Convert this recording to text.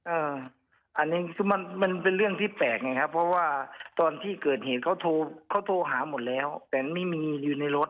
อันนี้คือมันเป็นเรื่องที่แปลกไงครับเพราะว่าตอนที่เกิดเหตุเขาโทรเขาโทรหาหมดแล้วแต่ไม่มีอยู่ในรถ